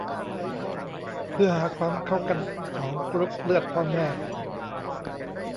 เพื่อหาความเข้ากันของกรุ๊ปเลือดพ่อแม่